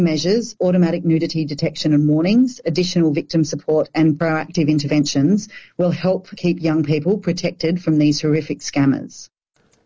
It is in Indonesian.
jadi perubahan baru ini pengetahuan dan penyakit otomatis penyokongan pembunuhan dan intervensi proaktif akan membantu menjaga orang muda diperlindungi dari skam yang teruk